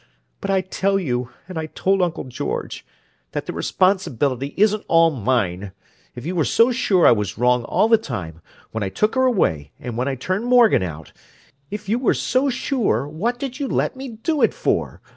But I tell you, and I told Uncle George, that the responsibility isn't all mine! If you were so sure I was wrong all the time—when I took her away, and when I turned Morgan out—if you were so sure, what did you let me do it for?